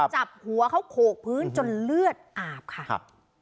จับหัวเขาโขกพื้นจนเลือดอาบค่ะครับ